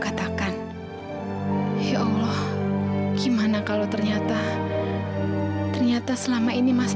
saya harus lidah dengan annoying doppel salutes